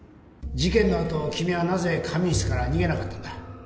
事件の後君はなぜ仮眠室から逃げなかったんだ？